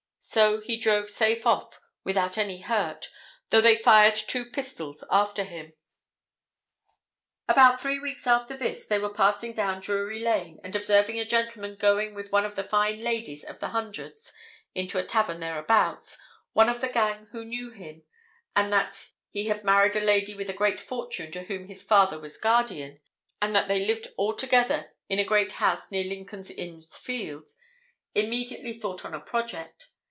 So he drove safe off without any hurt, though they fired two pistols after him. About three weeks after this they were passing down Drury Lane, and observing a gentleman going with one of the fine ladies of the Hundreds into a tavern thereabouts, one of the gang who knew him, and that he had married a lady with a great fortune to whom his father was guardian, and that they lived altogether in a great house near Lincoln's Inn Fields, immediately thought on a project.